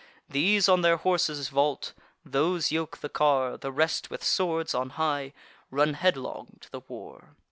These on their horses vault; those yoke the car; The rest, with swords on high, run headlong to the war.